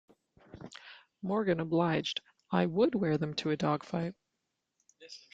Morgan obliged: "I "would" wear them to a dogfight.